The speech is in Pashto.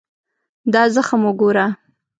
دا زخم وګوره.